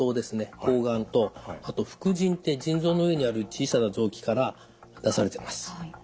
睾丸とあと副腎腎臓の上にある小さな臓器から出されてます。